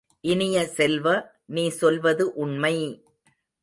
இனிய செல்வ, நீ சொல்வது உண்மை!